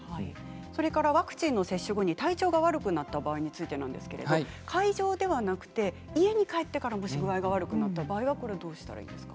それからワクチンの接種後に体調が悪くなった場合についてなんですが会場ではなく家に帰ってから、もし具合が悪くなった場合はどうしたらいいですか。